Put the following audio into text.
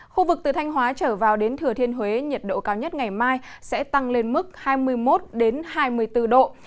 khu vực từ thanh hóa trở vào đến thừa thiên huế nhiệt độ cao nhất ngày mai sẽ tăng lên mức hai mươi một hai mươi bốn độ